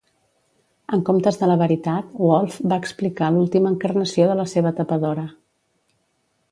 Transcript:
En comptes de la veritat, Wolfe va explicar l'última encarnació de la seva tapadora.